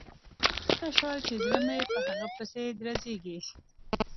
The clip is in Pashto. کلونه شول چې زړه مې په هغه پسې درزیږي